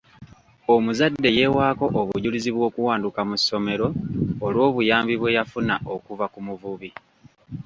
Omuzadde yeewaako obujulizi bw'okuwanduka mu ssomero olw'obuyambi bwe yafuna okuva ku muvubi.